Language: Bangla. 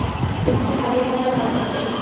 তোমাকে হারিয়ে ফেলার ভয় পেয়েছি।